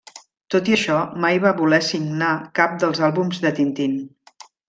Tot i això mai va voler signar cap dels àlbums de Tintín.